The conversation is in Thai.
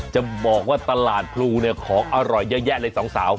จะบอกว่าตลาดพลูเนี่ยของอร่อยเยอะแยะเลยสองสาว